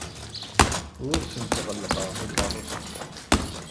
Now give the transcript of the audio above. Ur asent-ɣellqeɣ takeṛṛust-nsent.